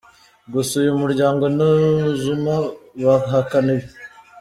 Gusa uyu muryango na Zuma bahakana ibi.